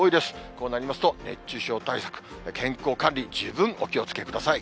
こうなりますと熱中症対策、健康管理、十分お気をつけください。